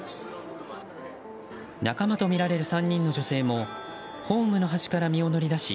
仲間とみられる３人の女性もホームの端から身を乗り出し